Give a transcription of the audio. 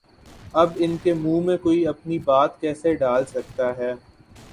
اب ان کے منہ میں کوئی اپنی بات کیسے ڈال سکتا ہے؟